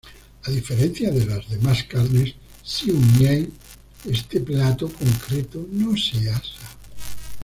A diferencia de las demás carnes "siu mei", este plato concreto no se asa.